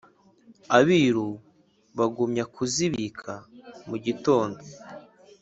Abiru bagumya kuzibika mu gitondo